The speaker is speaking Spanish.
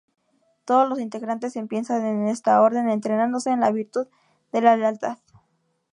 Todos los integrantes empiezan en esta orden, entrenándose en la virtud de la lealtad.